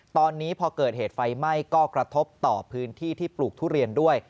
ตอนนี้พอเกิดเหตุไฟไหม้ก็กระทบต่อพื้นที่ที่ปลูกทุเรียนด้วย